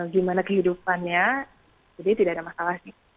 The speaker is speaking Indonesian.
gimana kehidupannya jadi tidak ada masalah sih